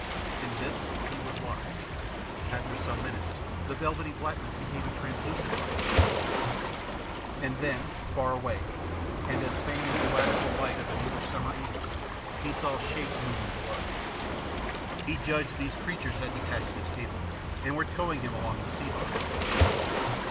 In this he was wise. After some minutes the velvety blackness became a translucent blackness, and then, far away, and as faint as the zodiacal light of an English summer evening, he saw shapes moving below. He judged these creatures had detached his cable, and were towing him along the sea bottom.